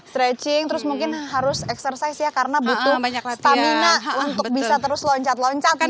stretching terus mungkin harus eksersis ya karena butuh stamina untuk bisa terus loncat loncakan